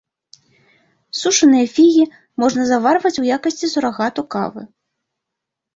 Сушаныя фігі можна заварваць у якасці сурагату кавы.